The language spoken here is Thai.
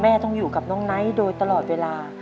ต้องอยู่กับน้องไนท์โดยตลอดเวลา